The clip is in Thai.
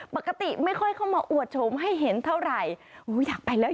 ไม่ค่อยเข้ามาอวดโฉมให้เห็นเท่าไหร่โอ้อยากไปแล้ว